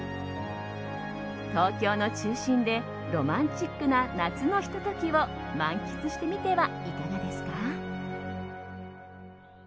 東京の中心でロマンチックな夏のひと時を満喫してみてはいかがですか？